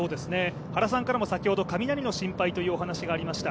原さんからも先ほど、雷の心配というお話がありました。